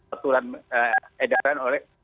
aturan edaran oleh